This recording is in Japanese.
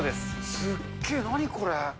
すっげぇ、何これ。